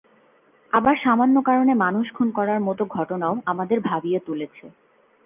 আবার সামান্য কারণে মানুষ খুন করার মতো ঘটনাও আমাদের ভাবিয়ে তুলেছে।